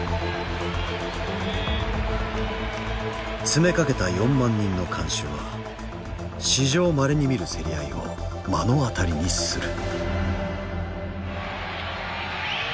詰めかけた４万人の観衆は史上まれに見る競り合いを目の当たりにする。